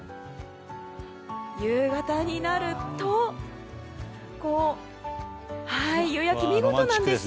夕方になると夕焼けも見事なんです。